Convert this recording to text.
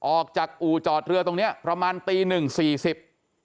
ออกจากอู่จอดเรือตรงเนี้ยประมาณตีหนึ่งสี่สิบ